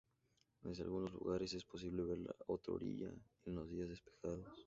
Desde algunos lugares es posible ver la otra orilla en los días despejados.